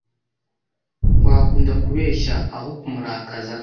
Wakunda kubeshya aho kumurakaza?